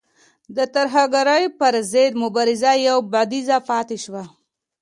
د ترهګرۍ پر ضد مبارزه یو بعدیزه پاتې شوه.